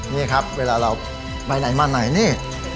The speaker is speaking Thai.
นี่ครับเวลาเราไปไหนมาไหนนี่